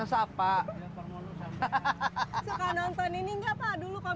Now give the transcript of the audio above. ya sudah lah saya dosis dulu ya